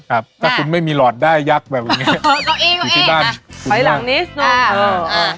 ถ้าคุณไม่มีหลอดได้ยักษ์แบบไงอยู่ที่บ้านจูงมากไปหลังนีส์นุ่ง